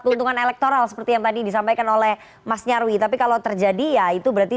keuntungan elektoral seperti yang tadi disampaikan oleh mas nyarwi tapi kalau terjadi ya itu berarti